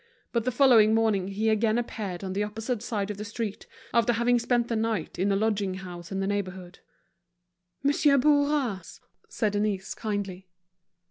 But the following morning he again appeared on the opposite side of the street, after having spent the night in a lodging house in the neighborhood. "Monsieur Bourras!" said Denise, kindly.